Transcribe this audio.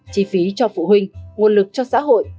chi phí cho phụ huynh nguồn lực cho xã hội